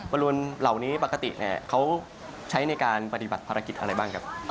บริเวณเหล่านี้ปกติเขาใช้ในการปฏิบัติภารกิจอะไรบ้างครับ